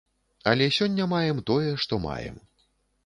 Але сёння маем тое, што маем.